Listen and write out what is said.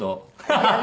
ハハハハ。